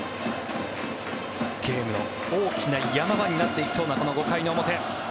ゲームの大きな山場になっていきそうな５回の表。